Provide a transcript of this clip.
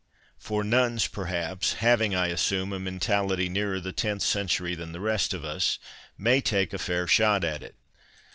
For nuns perhaps (having, I assume, a mentality nearer the tenth century than the rest of us) may take a fair shot at it.